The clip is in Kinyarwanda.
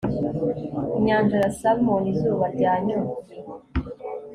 inyanja ya salmon, izuba ryanyoye